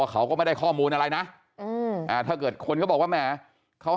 เขาก็ไม่ได้ข้อมูลอะไรนะถ้าเกิดคนเขาบอกว่าแหมเขา